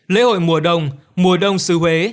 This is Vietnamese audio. lễ hội mùa đông mùa đông xứ huế